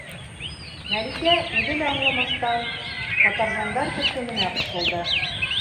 Мәликә үҙе лә аңламаҫтан каторжандар төркөмөнә ҡушылды.